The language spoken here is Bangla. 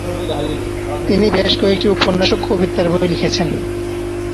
তিনি বেশ কয়েকটি উপন্যাস ও কবিতার বই লিখেছেন।